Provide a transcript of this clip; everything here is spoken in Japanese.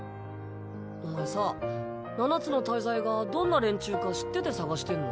お前さ七つの大罪がどんな連中か知ってて捜してんの？